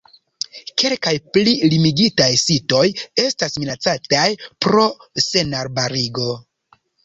Kelkaj pli limigitaj sitoj estas minacataj pro senarbarigo.